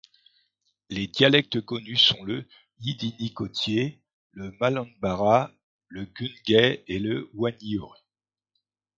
Les dialectes connus sont le yidiny côtier, le malanbarra, le gunggay et le wanyurr.